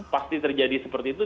pasti terjadi seperti itu